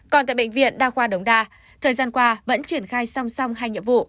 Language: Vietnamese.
còn tại bệnh viện đa khoa đống đa thời gian qua vẫn triển khai song song hai nhiệm vụ